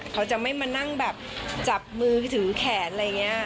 เขาจะไม่มานั่งแบบจับมือถือแขนอะไรอย่างนี้